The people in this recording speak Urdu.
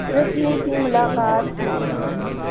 رسمی سی ملاقات تھی۔